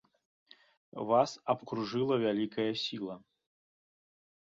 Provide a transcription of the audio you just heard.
Вас абкружыла вялікая сіла.